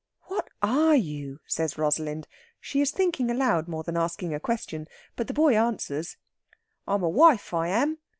"What are you?" says Rosalind. She is thinking aloud more than asking a question. But the boy answers: "I'm a wife, I am.